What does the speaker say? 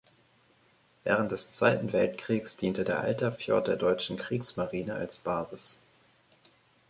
Während des Zweiten Weltkriegs diente der Altafjord der deutschen Kriegsmarine als Basis.